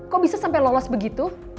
kok bisa sampai lolos begitu